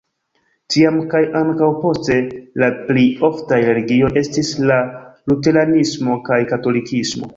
Tiam kaj ankaŭ poste la pli oftaj religioj estis la luteranismo kaj katolikismo.